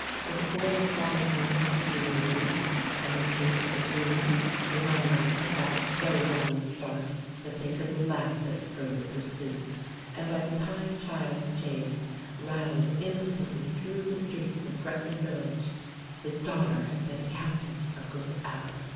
Before the fallen horse could be removed and the chase resumed the runaways had got so long a start that they could laugh at further pursuit; and by the time Child's chaise rattled impotently through the street of Gretna village, his daughter had been a Countess a good hour.